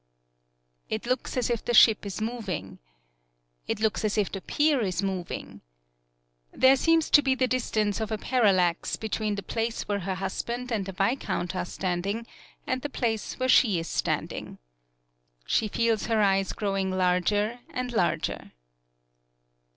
It looks as if the ship is moving. It looks as if the pier is moving. There seems to be the distance of a Pallaraxe between the place where her husband and the viscount are standing and the 65 PAULOWNIA place where she is standing. She feels her eyes growing larger and larger.